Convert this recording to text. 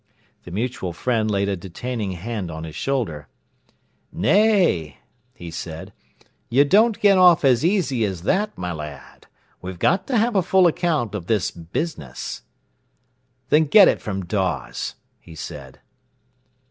The mutual friend laid a detaining hand on his shoulder. "Nay," he said, "you don't get off as easy as that, my lad. We've got to have a full account of this business." "Then get it from Dawes!" he said.